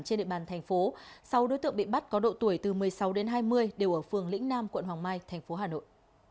trên địa bàn thành phố sáu đối tượng bị bắt có độ tuổi từ một mươi sáu đến hai mươi đều ở phường lĩnh nam quận hoàng mai thành phố hà nội